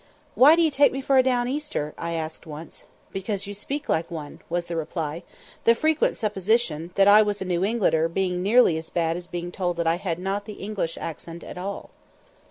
"Why do you take me for a down easier?" I asked once. "Because you speak like one," was the reply; the frequent supposition that I was a New Englander being nearly as bad as being told that I "had not the English accent at all."